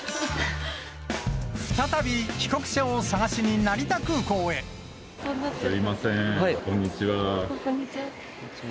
再び帰国者を探しに成田空港すみません、こんにちは。